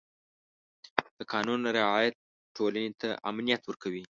د قانون رعایت ټولنې ته امنیت ورکوي.